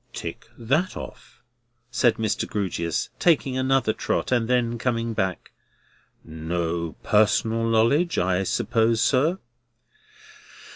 "Tick that off," said Mr. Grewgious, taking another trot, and then coming back. "No personal knowledge, I suppose, sir?"